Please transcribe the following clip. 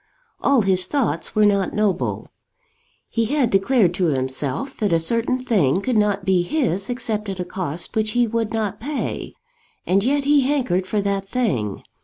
All his thoughts were not noble. He had declared to himself that a certain thing could not be his except at a cost which he would not pay, and yet he hankered for that thing.